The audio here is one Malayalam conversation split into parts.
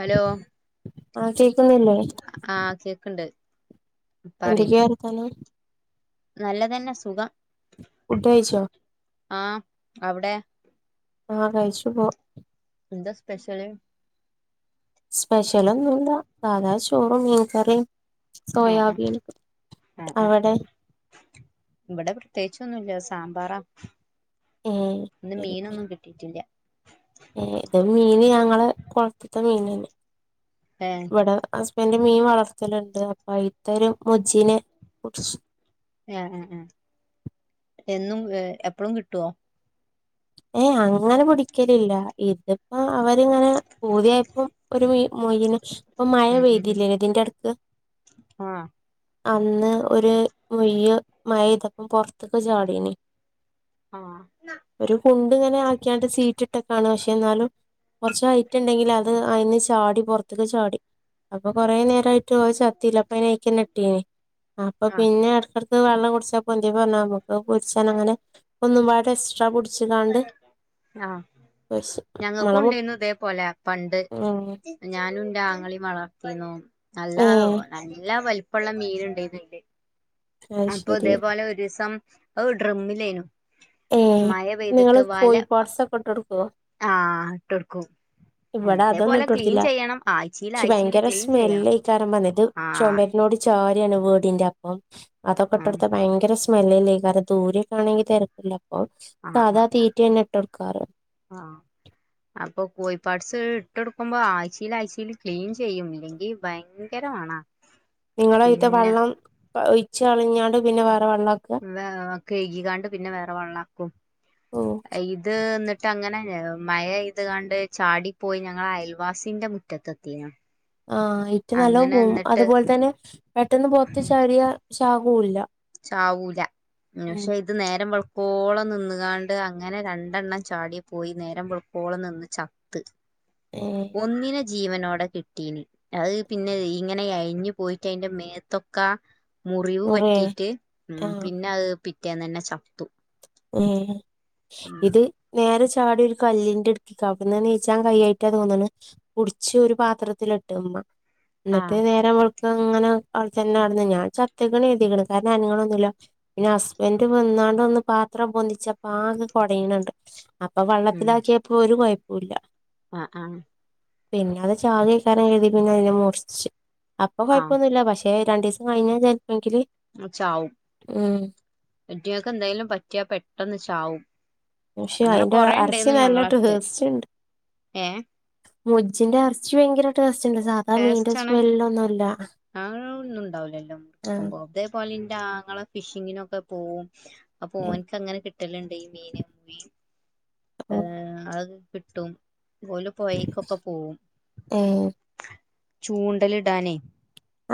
ഹലോ ആ കേക്ക്ന്നില്ലേ? ആഹ് കേക്ക്ണ്ട്. പറി എന്തൊക്കെ വർത്താനം? നല്ലതന്നെ സുഖം. ഫുഡ് കഴിച്ചോ? ആ അവ്ടെ? ആ കഴിച്ചു പ്പോ. എന്താ സ്പെഷല്? സ്പെഷ്യലൊന്നുല്ല സാധാചോറും മീൻക്കറിം. ആഹ് ആഹ് സൊയാബീനും ആഹ് ആഹ് ആഹ് അവടെ? ഇവിടെ പ്രത്യേച്ചൊന്നുല്ല സാമ്പാറാ ഏഹ് ഇന്ന് മീനൊന്നും കി ട്ടീട്ടില്ല. ഏ ഇത് മീന് ഞങ്ങള് കൊൾ ത്ത് ത്തത്തെ മീൻനാണ്. ഏ. ഇവ്ടെ ഹസ്ബന്റ് മീൻ വളർത്തല് ണ്ട് അപ്പൊ അയ്ത്തൊരു മൊജീനെ പിട്ച്ചു. ഏ ഏ എന്നും എപ്പളും ക് ട്വോ? ഏ അങ്ങനെ പിടിക്കലില്ല ഇത് അ അവരിങ്ങനെ പൂത്യായപ്പോ ഒരു മീ മൊയ്യ്നെ ഇപ്പം മഴ ഉം ഉം ഉം പെയ്തിലെ ഇതിന്റെട്ക്ക്. ആഹ്. അന്ന് ഒര് മൊയ്യ് മഴ പെയ്തപ്പം പൊർത്ത്ക്ക് ചാടീനി. ആഹ്. കുണ്ട് ഇങ്ങനെ ആക്ക്യാണ്ട് സീറ്റ് ഇട്ടക്കാണ് പക്ഷേ എന്നാലും കൊർച്ച് ഹയ്റ്റ്ണ്ടെങ്കിൽ അത് അയ്ന്ന് ചാടി പൊർത്ത്ക്ക് ചാടി. അപ്പൊ കൊറേ നേരായ്ട്ട് അത് ചത്തില്ല അപ്പ അയ്ന്നെ അ യ്കെന്നെ ഇട്ടീനി അപ്പ ആഹ് പിന്നെ എട് വള്ളം കുട്ച്ചാപ്പോ പൊന്തി പൊര്ന്നാ പൊര്ച്ചാ അങ്ങനെ ഒന്നുംപാട് എക്സ്ട്രാ പുട്ച്ച്ക്കാണ്ട് ആ നമ്മളെ ഞങ്ങക്കും മു ട്ടെന്നു ഇതേപോ ലെ പണ്ട്. ഏഹ് ഞാനും ഇന്റെ ആങ്ങളീം വളർത്തിന്നു നല്ല ഏഹ് നല്ല വൽ പ്പള്ള മീന് ഇണ്ട്ത് ല് അത് അപ്പൊ ശരി ഇതേപോലെ ഒരീസം അത് ഡ്രിമ്മിലേനു. ഏഹ് മയം നിങ്ങള് കോഴി പാട്സൊക്കെ ഇട്ട് കൊടുക്കുവോ? ആഹ്ട്ട്ടുക്കും. ഇവിടെ അതൊന്നും ഇട്ട് കൊടുത്തില്ല ആഴ്ചയിൽ പക്ഷെ ആഴ്ചയിൽ ഭയങ്കര ക്ലീൻ ചെയ്യണം സ്മെല്ലെക്കാരം വന്നിത് ആഹ് ചുമേരനോട് ചരിയാണ് വീടിന്റെ അപ്പം അതൊക്കെ ആഹ് ഇട്ടടുത്ത് ഭയങ്കര സ് സ്മെല്ല്ലേക്കാരം ദൂരെക്കാണെങ്കി തിരക്കില്ല അപ്പ ആഹ് സാധാ ആഹ് ആഹ് തീറ്റ തന്നെ ഇട്ട് കൊടുക്കാറ് ആഹ് അപ്പൊ കോഴി പാർട്സ് ഇട്ടെടുക്കുമ്പോ ആഴ്ചൽ ആഴ്ച്ചയിൽ ക്ലീൻ ചെയ്യും ഇല്ലെങ്കിൽ ഭയങ്കര [unintelligible] നിങ്ങളയ്ത്തെ പിന്നെ വെള്ളം ഒഴിച്ച കളിഞ്ഞാണ്ട് പിന്നെ വേറെ വെള്ളം ല്ലാകഴുകികാണ്ട് പിന്നെ വേറെ വെള്ളാക്കും. ഓ ഇത് എന്നിട്ട് അങ്ങനെ മഴ ഇതുകണ്ട് ചാടിപ്പോയി ഞങ്ങള അയൽവാസിന്റെ മു റ്റത്ത്ത്തെയ്നു. ആഹ് ഇറ്റ നല്ല പോവും അതുപോലെ തന്നെ പെട്ടന്ന് പൊറത്ത് ചാടിയ ചാവുല്ല. ചാവൂല ന്നശെരി. ഇത് നേരം വെളുക്കോളം നിന്നുകാണ്ട് അങ്ങനെ രണ്ടെണ്ണം ചാടി പോയി നേരം വെളുക്കോളം നിന്ന് ചത്ത് [unintelligible] ങേ ഒന്നിനെ ജീവനോടെ കിട്ടീനി. അത് പിന്നെ ഇങ്ങനെ എഴിഞ്ഞു പോയിട്ട് അതിറെ മേത്തൊക്കാ മുറിവ് നൂറേ പറ്റിട്ട് ഉം ആഹ് പിന്നെ അത് പിറ്റേന്ന് തന്നെ ചത്തു. ഏഹ് നേരെ ചാടി ഒരു കല്ലിന്റെ ഇടുക്കിക്ക അവ്ട്ന്ന് നീച്ചാൻ കൈയ്യായിട്ട് തോന്ന്ണ്. പുടിച്ച് ഒരു പാത്രത്തിലിട്ട്മ്പോ എന്നിട്ട് ആഹ് നേരെവെള് അങ്ങനെ അവിടെ തന്നെ നട ഞാൻ ചത്തക്കണ് കരുതിക്ണ് കാരണം അനങ്ങണൊന്നുമില്ല. പിന്നെ ഹസ്ബന്റ്‌ വന്നാണ്ട് ഒന്ന് പ അത്ര പൊന്നിച്ചപ്പ ആകെ കുടയണണ്ട് അപ്പൊ ഉം വെള്ളത്തിലാക്കിയപ്പോ ഒരു കൊയപ്പുല്ല. ആഹ് ആഹ് പിന്നെ അത് ചാകേക്കാരം കരുതി പിന്നെ അതിനെ മുർച്ച് അപ്പൊ ആഹ് കൊഴപ്പൊന്നുല്ല പക്ഷേ രെ രണ്ടീസം കഴിഞ്ഞാ ചിലപ്പെങ്കില് ചാവും അയ്റ്റങ്ങക്ക് എന്തെങ്കിലും പറ്റിയാ പെട്ടെന്ന് ചാവും. പക്ഷെ അങ്ങനെ അയിന്റെ കൊറേ അറച്ചി ഉണ്ടായിരുന്നു നല്ല ഞങ്ങളടുത്ത് ടേസ്റ്റ്ണ്ട്. ഏഹ് മുജിന്റെ ഇറച്ചി ഭയങ്കര ടേസ്റ്റ് ഉണ്ട് സാധാ മീന്റെ സ്മെല്ല ഒന്നുംല്ല. ആ ഒന്നും ഉണ്ടാവില്ലല്ലോ മുക്കുമ്പോ അതേപോലെ ഇന്റെ ആങ്ങള ഫിഷിങ്ങിനൊക്കെ പോവും അപ്പോന്ക്ക് അങ്ങനെ കിട്ടലുണ്ട് ഈ മീന് മീ ഏ അത് കിട്ടും ഓല് പൊഴിക്കൊക്കെ പോവും. ഏഹ് ചൂണ്ടലിടാനെ.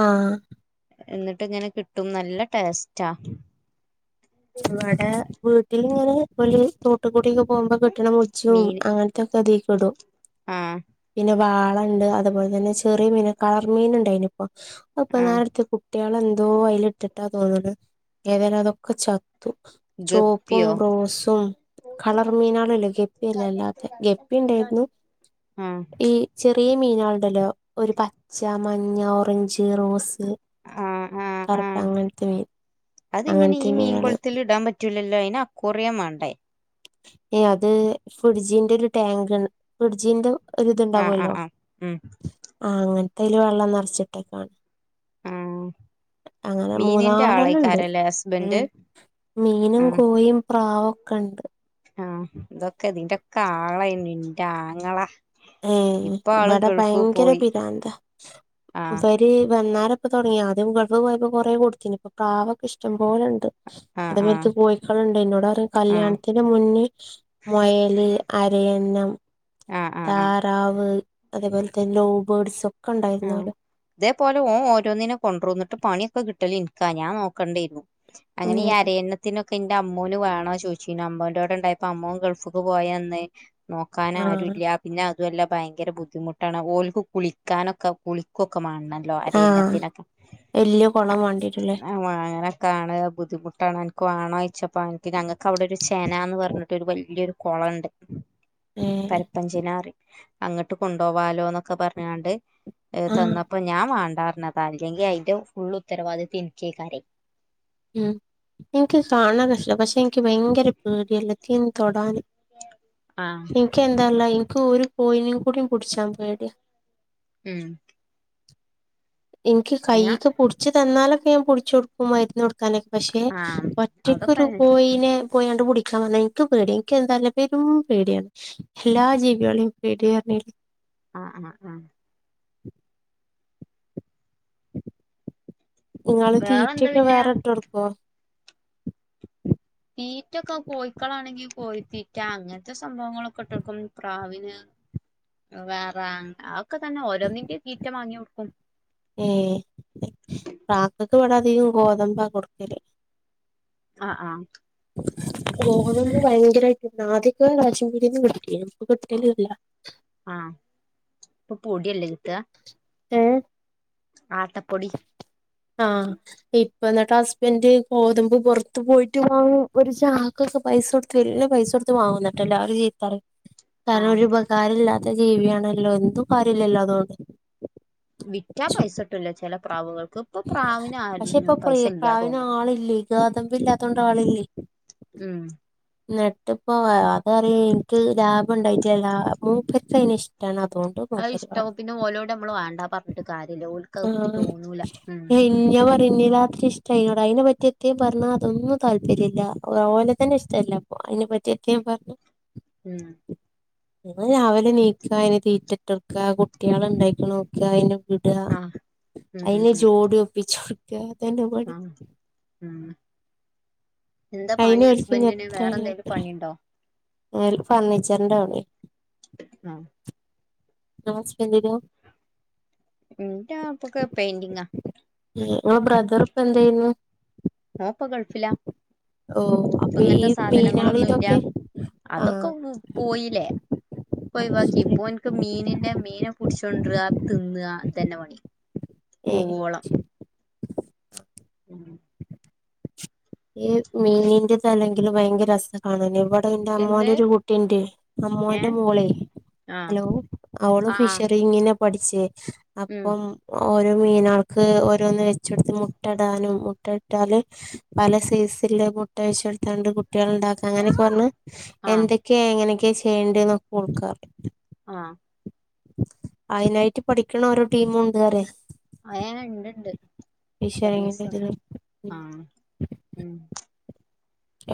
ആഹ് എന്നിട്ട് ഇങ്ങനെ കിട്ടും നല്ല ടേസ്റ്റാ. നമ്മടെ വീട്ടിലിങ്ങനെ വല് കൂടിയൊക്കെ പോകുമ്പോ കിട്ടണ മുജ്ജും മീന് അങ്ങനത്തെക്കെ അതീക്കടും. ആഹ് പിന്നെ വാളണ്ട് അതുപോലെ തന്നെ ചെറിയ മീൻ കളർമീൻ ഉണ്ടായിന് ഇപ്പ ആഹ് അപ്പൊനേരടുത്ത് കുട്ടികളന്തോ അയിൽ ഇട്ടിട്ടാ തോന്നണ് ഏതായാലും അതൊക്കെ ചത്തു. ചോപ്പും ഗപ്പിയോ റോസും കളർ മീനാളില്ലേ ഗപ്പില്ലേ അല്ലാത്ത ഗപ്പി ഉണ്ടായിരുന്നു. ഉം ഈ ചെറിയ മീനുകളുണ്ടല്ലോ ഒരു പച്ച, മഞ്ഞ, ഓറഞ്ച്, റോസ് പ്പ് ആഹ് ആഹ് കറപ്പ് ആഹ് അങ്ങത്തെ മീൻ അതിങ്ങനെ ഈ അങ്ങനത്തെ മീനാള് മീൻകുളത്തി ഇടാൻ പറ്റൂലല്ലോ അയിന് അക്വാറിയംമേണ്ടേ? ഏയ് അത് ഫിഡിജിന്റെ ഒരു ടാങ്ക്ണ് ഫിഡിജിന്റെ ആഹ് ഒരിതുണ്ടാവുമല്ലോ ആഹ് ആഹ് ഉം ആഹ് അങ്ങനത്തെൽ വെള്ളം നിറച്ചിട്ടേക്കാണ് ഉം അങ്ങനെ മൂന്നാലെണ്ണം ഉണ്ട് ഉം ഹസ്ബൻഡ് മീനും ആഹ് കോയീം പ്രാവൊക്കെ ഉണ്ട് ആഹ് ഇതൊക്കെ ഇതിന്റെക്കെ ആളായിന് ഇൻ്റെ ആങ്ങള ഏഹ് ഇപ്പൊ ആള് ഇവിടെ ഗൾഫ് ഭയങ്കര പോയി പിരാന്താ ആഹ് വന്നാലപ്പ തുടങ്ങി ആദ്യം ഗൾഫ് പോയപ്പോ കുറേ കൊടുത്തന് ഇപ്പൊ പ്രാവ് ഒക്കെ ഇഷ്ടം പോലുണ്ട് അത ആഹ് ആഹ് മേലക്ക് കോയിക്കളുണ്ട് എന്നോട് പറഞ്ഞ് ആഹ് കല്യാണത്തിന്റെ മുന്നേ മുയല് അരയന്നം ആഹ് ആഹ് ആഹ് താറാവ് അതേപോലെ തന്നെ ലോ ബേർഡ്സ് ഒക്കെ ആഹ് ഉണ്ടായിരുന്നലോ ഇതേപോലെ ഓന് ഓരോന്നിനെ കൊണ്ടുവന്നിട്ട് പണിയൊക്കെ കിട്ടല് നിക്കാ ഞാൻ നോക്കേണ്ടിയിരുന്നു അങ്ങനെ ഉം ആരയന്ന ത്തിനൊക്കെ എന്റെ അമ്മൂന് വേണോ ചോദിച്ചിന് അമ്മന്റെടെ ഉണ്ടായിപ്പോ അമ്മൻ ഗൾഫ്ക്ക് പോയന്ന് നോക്കാന ആ ആരു ഇല്ല പിന്നെ അതെല്ലാം ഭയങ്കര ബുദ്ധിമുട്ടാണ് ഓള്ക്ക് കുളിക്കാനൊക്കെ ഓ കുളിക്കൊക്കെ മാണല്ലോ ആ അരയന്നത്തിനൊക്കെങ്ങനെ വല്യ കുളം വാണ്ടിട്ടല്ലേ [unintelligible] കാണുക ബുദ്ധിമുട്ടാണ് എനിക്ക് വേണോ ചോയച്ചപ്പോം എനിക്ക് ഞങ്ങൾക്ക് അവിടെ ഒരു ചെന എന്ന് പറഞ്ഞിട്ട് ഒരു വലിയൊരു കുളംണ്ട് [inaudible] പരപ്പഞ്ചേന പറയും അങ്ങോട്ട് കൊണ്ടോ പോവാലോന്നൊക്കെ പറഞ്ഞാണ്ട് ഏഹ ആ തന്നപ്പോ ഞാൻ വേണ്ടറഞ്ഞതാ അല്ലെങ്കിൽ അതിന്റെ ഫുൾ ഉത്തരവാദിത്തം തിനച്ചേക്കര ഉം എനിക്ക് കാണാൻ ഇഷട പക്ഷെ എനിക്ക് ഭയങ്കര പേടിയല്ലതിനെ തൊടാന് ആഹ് എനക്ക് എന്താല്ല എനിക്ക് ഒരു കോയിനു കൂടീം കുടിച്ചാ പേടിയാ ഉം എനിക്ക് ഞാ കൈക്കെ പിടിച്ച് തന്നാലൊക്കെ ഞാൻ പിടിച്ചു കൊടുക്കും മരുന്ന് കൊടുക്കാനൊക്കെ പക്ഷെ ആഹ് ഒറ്റ അതൊക്കെ ഒറ്റയ്ക്കൊരു കോയിനെ പോയിണ്ട് പുടിക്കാൻ പറന്നാ എനിക്ക് പേടിയാ എനിക്ക് എന്താല്ല പേരും പേടിയാണ് എല്ലാ ജീവികളെയും പേടിയ പറഞ്ഞില്ലേ ആഹ് ആഹ് ആഹ് നിങ്ങള് വേറെന്താ തീറ്റയൊക്കെ പിന്നെ വേറെട്ടോർക്കോ [inaudible] തീറ്റൊക്കെ കോയിക്കളാണെങ്കിൽ കോയിത്തീറ്റാ അങ്ങനത്തെ സംഭവങ്ങളൊക്കെ ഇട്ടൊടുക്കും പ്രാവിന് വേറെ അതഒക്കെ തന്നെ ഓരോന്നിന്റെയും തീറ്റ വാങ്ങി കൊടുക്കും ഏഹ് പ്രാക്കക്ക് ഇവിടെ അധികം ഗോതമ്പ കൊടുക്കല ആഹ് ആഹ് [inaudible] ഗോതമ്പ് ഭയങ്കരമായിട്ട് ആദ്യക്കെ റേഷൻ പിടെന്ന് മേടിക്കേനും ഇപ്പ കിട്ടലൂല്ല ആഹ് ഇപ്പൊ പൊടിയല്ലേ കീട്ട്യാ ഏഹ് ആട്ടപ്പൊടി ആഹ് ഇപ്പ എന്നിട്ട് ഹസ്ബന്റ് ഗോതമ്പ് പുറത്ത് പോയിട്ട് വാങ്ങും ഒരു ചാക്കൊക്കെ പൈസ വല്യ പൈസ കൊടുത്ത് വാങ്ങുന്നട്ട എല്ലാരും ചീത്ത പറയും കാരണം ഒരു ഉപകാരം ഇല്ലാത്ത ജീവിയണല്ലോ എന്തും കാര്യല്ലല്ലോ അതുകൊണ്ട് വിറ്റാ പൈസ കിട്ടില്ല ചില പ്രാവുകൾക്ക് ഇപ്പൊ പ്രാവിന് പക്ഷെ ഇപ്പൊ ആരു പ്രി പൈസ പ്രാവിന് ഇല്ലാതോന്നു ആളില്ലേ ഗോതമ്പ ഇല്ലാത്തൊണ്ട ആളില്ലേ ഉം നട്ട് ഇപ്പോ അതറിയ എനിക്ക് ലാഭം ഉണ്ടായിട്ടില്ല ലാ മൂക്കസ അന് ഇഷ്ടണ അത ഇഷ്ട പിന്നെ ഓലോടെ നമ്മള് വേണ്ടാ പറഞ്ഞിട്ട് കാര്യമല്ല ഓക്ക തോന്നൂല ഉം ഞ്ഞ പറുന്നില്ലാത്രി ഇഷ്ട അതിനോട് അതിനെ പറ്റി എത്തിയും പറഞ്ഞാ അതൊന്നും താല്പര്യമല്ല ഒലെ തന്നെ ഇഷ്ട്ടല്ല. അയിനെ പറ്റിയൊക്കെ ഞാ പറഞ്ഞു ഉം രാവിലെ ന്നീക്ക അതിന് തീറ്റട്ടടുക്ക കുട്ടികളണ്ടായിക്കണോ നോക്ക അയിന് ഇട ആഹ് ഉം ഉം അയിന് ഉം ജോടി ഒപ്പിച്ചൊട്ക, അതന്നെ പണി. ആഹ് ഉം എന്താ അയിന് പണി ഓൽക്ക് ഇനി ഹസ്ബൻഡന്? വേറെ എന്തെങ്കിലും പണിണ്ടോ? ഒരു ഫർണിച്ചറിന്റെ കട ആഹ നിങ്ങടെ ഹസ്ബന്റിനോ? എന്റാ അപ്പൊക്കെ പെയിന്റിങ്ങാ. ഇങ്ങള ബ്രദറിപ്പൊ എന്തെയുന്നു? ഓൻപ്പൊ ഗൾഫില. ഇപ്പൊ അപ്പൊ ഈ ങ്ങനത്തെ മീനാളി സാധനങ്ങളൊന്നുല്ല ഇതൊക്കെ അതൊക്കെ ആഹ് ഉം പോയീലെ. [unintelligible] വാക്കിം പ്പൊ ഓൻക്ക് മീനിന്റെ മീനെ പിടിച്ചൊണ്ടറ തിന്ന ഇതന്നെ പണി. ഏഹ് പൂവോളം ഉം ഈ മീനിന്റെ തലെങ്കിലും ഭയങ്കര [unintelligible] ആണലെ ഇവിടെൻ്റെ എന്ത് അമ്മോണ്ടൊരു കുട്ടിയിണ്ടേ ഏ അമ്മോന്റെ മോളെ ആഹ് ഹലോ അവളും ആഹ് ഫിഷറിങ്ങിന പഠിച്ചേ ഉം അപ്പം, ഓരോ മീനാൾക്ക് ഓരോന്ന് വെച്ചെടുത്ത് മുട്ടടാനും മുട്ട ഇട്ടാല്, പല സീസില്ല മുട്ട വെച്ചൊടുത്താണ്ട് കുട്ടികളുണ്ടാക്ക അങ്ങനെക്കെ പറഞ്ഞ് ആഹ് എന്തെ ഒക്കെ എങ്ങനെയൊക്കെ ചെയ്യേണ്ട ന്നൊക്കെ ഓൾക്കറിയ. ആഹ അയിനായിട്ട് പഠിക്കണ ഓരോ ടീമുണ്ട് അറയ. ഏ ഇണ്ട്ണ്ട് ഫിഷറിങ്ങിന്റെ ഫിഷറീസ് ഇതില് ആഹ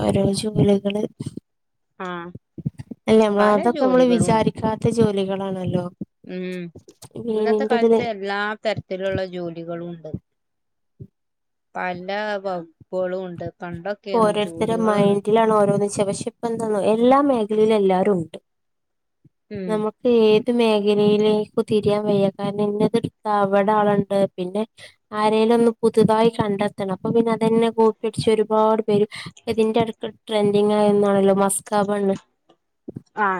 ഓരോ ജോലികള്. ആഹ എല്ല നമ്മള് അതൊക്കെ നമ്മള് വിചാരിക്കാത്ത ജോലികളാണല്ലോ. ഉം ഇന്നത്തെ കാലത്ത് മീനിന്റെതില് എല്ലാ തരത്തിലുള്ള ജോലികളുണ്ട്. പല വബളും ഉണ്ട് പണ്ട് ഇപ്പൊ ഓരോരുത്തര മൈൻഡിലാണ് ഓരോ പക്ഷെ ഇപ്പ എന്താന്ന എല്ലാ മേഖലയിലും എല്ലാരുണ്ട്. ഉം നമുക്ക് ഏത് മേഖലയിലേക്കും തിരിയാൻ വയ്യ കാരണം ഇന്നതെടുത്ത അവടെ ആളിണ്ട് പിന്നെ ആരേലും ഒന്ന് പുതുതായി കണ്ടെത്തണം അപ്പൊ പിന്നെ അതന്നെ കോപ്പിയടിച്ചും. ഒരുപാട് പേര് ഇതിന്റെ അടുക്ക് ട്രെൻഡിങ്ങായന്നാണല്ലോ മസ്കാബണ്ണ്. ആഹ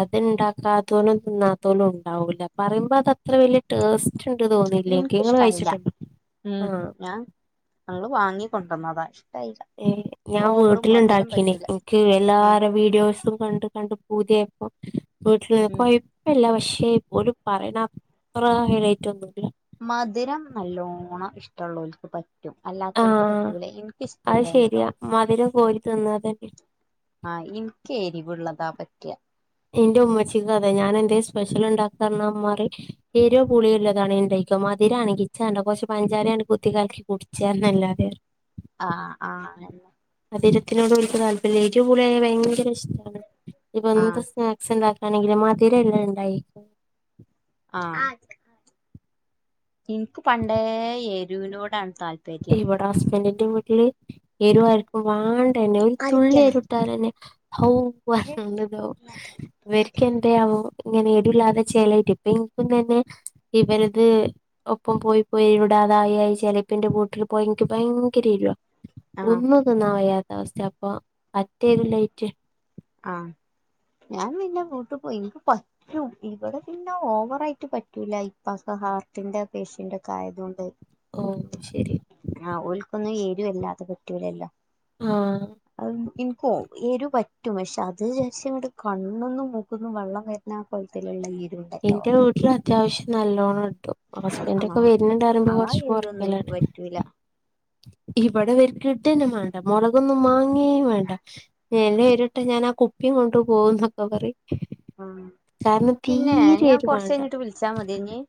അത്ണ്ടാക്കാത്തോലും തിന്നാത്തോലും ഉണ്ടാവൂല പറയുമ്പോ അതത്ര വലിയ ടേസ്റ്റ്ണ്ട് തോന്നില്ല നിക്ക് ഇങ്ങള് ഇൻക്കിഷ്ടായില്ല കഴിച്ചിട്ടുണ്ടോ? ഉം ആഹ ഞാൻ ഞങ്ങള് വാങ്ങി കൊണ്ടന്നതാ. ഇഷ്ടായില്ല ഏഹ ഞാൻ ഓവറും വീട്ടില് മധുരം ണ്ടാക്കീന് പറ്റൂല നിക്ക് ഉം എല്ലാര വീഡിയോസും കണ്ട്. കണ്ട് പൂതിയപ്പോ വീട്ടില് ഉം കോഴ് ന്നില്ല പക്ഷേ ഓര് പറയണ അത്ര ഹൈലൈറ്റോന്നുല്ല. മധുരം നല്ലോണ്ണം ഇഷ്ട്ടള്ളോർക്ക് പറ്റും. പറ്റും അല്ലാതോർക്ക് ആഹ് പറ്റൂല നിക്ക് അത് ഇഷ്ടല്ല ശരിയാ മധുരം കോരി തിന്നാ തന്നെ [unintelligible] ആഹ ഇൻക്ക് എരിവുള്ളത പറ്റ. ന്റെ ഉമ്മച്ചിക്കും അതെ ഞാൻ എന്തേ സ്പെഷ്യൽ ഉണ്ടാക്ക അർഞ്ഞ ഉമ്മ പറയും, എരിവും പുളിള്ളതാണെങ്കി കൈക്കും മധുരാണെങ്കി [unintelligible] കുറച്ച് പഞ്ചാരയാണ്ട് കുത്തി കലക്കി കുടിച്ചാന്നല്ലാതെ ആഹ ആഹ മധുരത്തിനോട് നിക്ക് താല്പര്യല്ല എരു പുളി ഭയങ്കര ഇഷ്ട ഇനിപ്പോ ആ എന്ത് സാന നാക്സ് ഉണ്ടാക്കാണെങ്കിൽ മദിരണ്ടായി ആഹ് എനിക്ക് പണ്ടേ ഏരുവിനോടാണ് താല് ഇവട ഹസ്ബൻഡിന്റെ വീട്ടില് എരുവാർക്കും വേണ്ടന്നെ ഒരു തുള്ളിയെരു ട്ടാലന്നെ ഹൗ വർണ്ടതോ ഇവർക്കെ തെയാവോ ഇങ്ങനെ ഇടുല്ലാതെ ചേലായിട്ട് ഇപ്പൊ ഇനിക്കും തന്നെ ഇവരത് ഒപ്പം പോയി പോയി ഇവിടാതായിയായി ചെലപ്പിന്റെ കൂ ട്ടിൽ പോയെക്ക് ഭയങ്കര എരുവാ ആ ഒന്നും തിന്നാ വയ്യാത്ത അവസ്ഥയാ അപ്പൊ പറ്റേ എരുല്ലായിറ്റ് ആഹ്‌ ഞാൻ പിന്നെ വിട്ട് പോയി നി എനക്ക് പ റ്റും ഇവടെ പിന്ന ഓവറായിട്ട് പറ്റൂല ഇപ്പക് ഹാർട്ടിന്റെ പേഷ്യന്റ് ഒക്ക ആയതുകൊണ്ട് ഓഹ് അഅ്ശരി ആഹ് ഓൽക്കൊന്നും ഏരുവല്ലാത പറ്റൂലല്ലോ ആഹ്‌ അ എനിക്കോ എരു പറ്റും പക്ഷെ അത് വിചാരിച്ചാണ് കണ്ണുന്നും മൂക്കുന്നും വെള്ളം വെ തിന്നാ കോലത്തിലുള്ള എരു എന്റ വീട്ടില് അത്യാവശ്യം നല്ലോണം ഇടും ഹസ്ബൻഡക്കെ ആഹ് വരുന്നുണ്ടറിമ്പോ ആ കൊറച്ച് ഏരിയ ഒന്നും എനിക്ക് കൊറക്കലാണ് പറ്റൂല. ഇവട ഇവര്ക്ക് ഇട നെ മാണ്ട മൊളകൊന്നും മാങ്ങയേം വേണ്ട നലെ ഉം എരുട്ടാ ഞാൻ ആ കുപ്പിയും കൊണ്ട് പോകന്നൊക്കെ പറയും കാരണം പിന്നെ തീരെ ഞാൻ എരു കൊറച്ച് വേണ്ട കഴിഞ്ഞിട്ട് വിളിച്ചാ മതിയേ ഇനി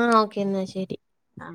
ആഹ്‌ ഓക്കേ എന്നാ ശരി ആഹ്